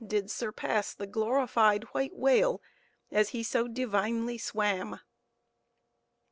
did surpass the glorified white whale as he so divinely swam.